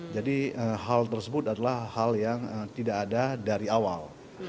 jadi hal tersebut adalah hal yang tidak ada dari awal